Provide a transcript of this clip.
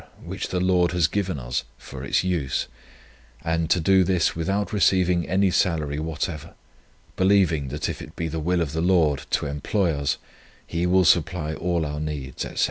which the Lord has given us, for its use; and to do this without receiving any salary whatever; believing that if it be the will of the Lord to employ us, He will supply all our needs, &c."